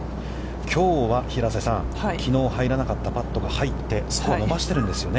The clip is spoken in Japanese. きょうは、平瀬さん、きのう入らなかったパットが入ってスコアを伸ばしているんですよね。